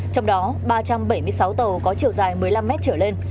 trong đó ba trăm bảy mươi sáu tàu có chiều dài một mươi năm mét trở lên